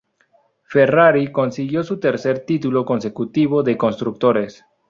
Ferrari consiguió su tercer título consecutivo de constructores.